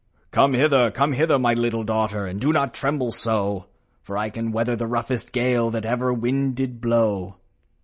" Come hither ! come hither ! my little daughter And do not tremble so ; For I can weather the roughest gale That ever wind did blow."